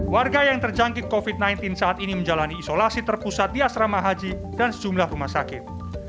warga yang terjangkit covid sembilan belas saat ini menjalani isolasi terpusat di asrama haji dan sejumlah rumah sakit